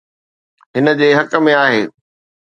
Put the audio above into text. هن جي حق ۾ آهي.